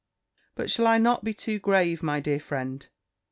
But shall I not be too grave, my dear friend?